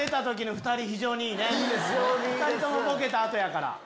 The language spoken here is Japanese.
２人ともボケた後やから。